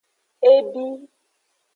E bi.